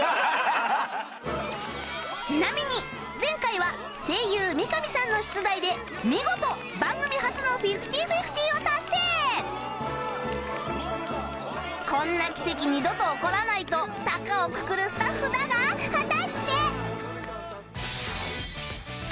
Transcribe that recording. ちなみに前回は声優三上さんの出題で見事こんな奇跡２度と起こらないと高をくくるスタッフだが果たして